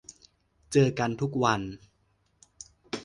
เจอทุกวัน